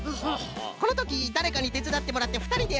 このときだれかにてつだってもらってふたりでやるのもいいぞい。